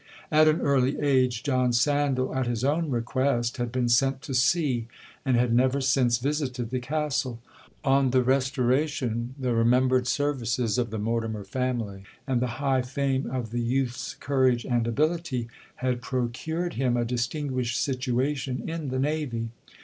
'At an early age John Sandal, at his own request, had been sent to sea, and had never since visited the Castle. On the Restoration, the remembered services of the Mortimer family, and the high fame of the youth's courage and ability, had procured him a distinguished situation in the navy.